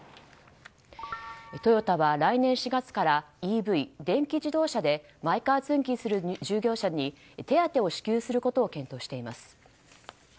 トヨタは来年４月からＥＶ・電気自動車でマイカー通勤する従業員に手当を支給することを検討しています。